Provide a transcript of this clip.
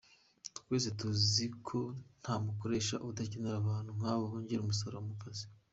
Twese tuziko ntamukoresha udakenera abantu nkabo bongera umusaruro mukazi.